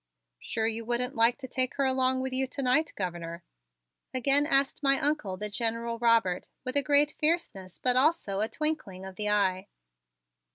"Sure you wouldn't like to take her along with you to night, Governor?" again asked my Uncle, the General Robert, with a great fierceness but also a twinkling of the eye.